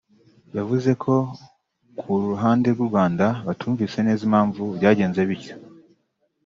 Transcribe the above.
yavuze ko ku ruhande rw’ u Rwanda batumvise neza impamvu byagenze bityo